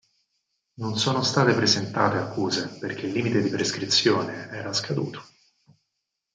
Non sono state presentate accuse perché il limite di prescrizione era scaduto.